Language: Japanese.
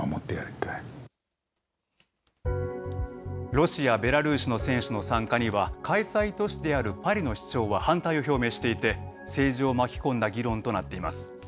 ロシア、ベラルーシの選手の参加には、開催都市であるパリの市長は反対を表明していて政治を巻き込んだ議論となっています。